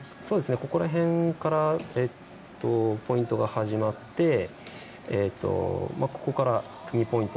ここら辺からポイントが始まってここから２ポイント。